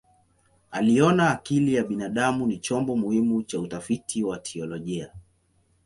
Aliona akili ya binadamu ni chombo muhimu cha utafiti wa teolojia.